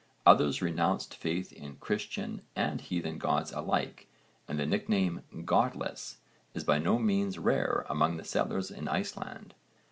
Others renounced faith in Christian and heathen gods alike, and the nickname 'godless' is by no means rare among the settlers in Iceland.